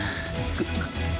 ぐっ。